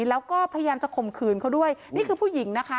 แล้วก็พยายามจะข่มขืนเขาด้วยนี่คือผู้หญิงนะคะ